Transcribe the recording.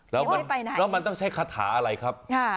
แล้วมันต้องใช้คาถาอะไรครับ